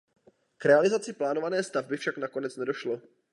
K realizaci plánované stavby však nakonec nedošlo.